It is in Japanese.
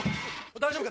大丈夫か？